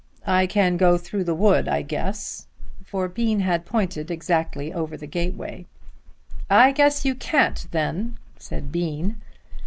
I can go through the wood I guess;" for Bean had pointed exactly over the gateway. "I guess you can't then," said Bean.